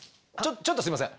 ちょっとすいません。